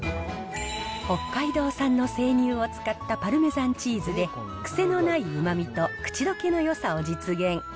北海道産の生乳を使ったパルメザンチーズで、癖のないうまみと口どけのよさを実現。